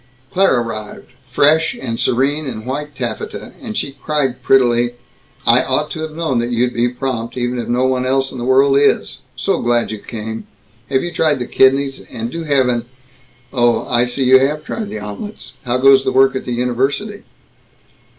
Claire arrived, fresh and serene in white taffeta, and she cried prettily, "I ought to have known that you'd be prompt even if no one else in the world is, so glad you came, have you tried the kidneys, and do have an oh, I see you have tried the omelets, how goes the work at the university?"